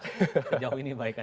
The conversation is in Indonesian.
sejauh ini baik aja